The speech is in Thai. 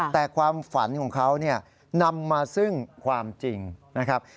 แต่ความฝันของเขาเนี่ยนำมาซึ่งความจริงนะครับ